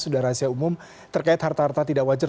sudah rahasia umum terkait harta harta tidak wajar